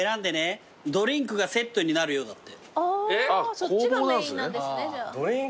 そっちがメインなんですね。